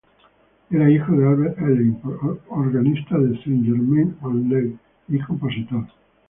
Era hijo de Albert Alain, organista de Saint-Germain-en-Laye y compositor.